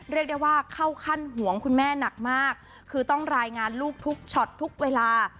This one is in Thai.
เรียกได้ว่าเข้าขั้นหวงคุณแม่หนักมากคือต้องรายงานลูกทุกช็อตทุกเวลา